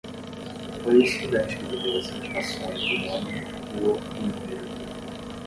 Foi o estudante que lhe deu as indicações do nome, rua e número.